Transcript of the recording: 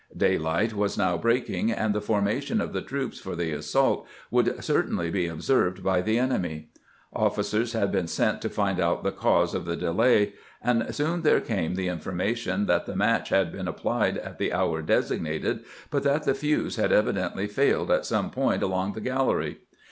Daylight was now breaking, and the foiTaation of the troops for the assault would certainly be observed by the enemy. Officers had been sent to find out the cause of the delay. EXPLODING THE MINE 263 and soon there came the information that the match had been applied at the hour designated, but that the fuse had evidently failed at some point along the gallery.